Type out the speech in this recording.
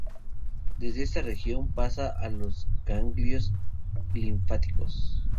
Desde esta región pasa a los ganglios linfáticos.